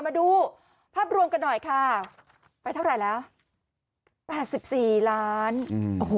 มาดูภาพรวมกันหน่อยค่ะไปเท่าไหร่แล้วแปดสิบสี่ล้านอืมโอ้โห